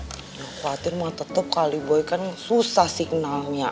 gak khawatir ma tetep kali boy kan susah signalnya